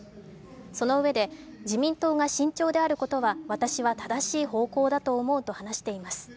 そのうえで、自民党が慎重であることは私は正しい方向だと思うと話しています。